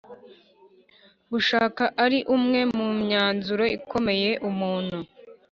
Gushaka ari umwe mu myanzuro ikomeye umuntu